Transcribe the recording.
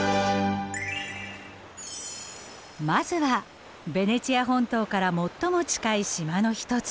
まずはベネチア本島から最も近い島の一つ